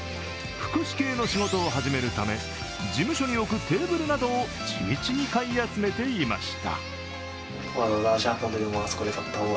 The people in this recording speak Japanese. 福祉系の仕事を始めるため、事務所に置くテーブルなどを地道に買い集めていました。